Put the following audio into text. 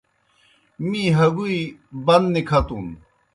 می ہگُوئی بن نِکَھتُن۔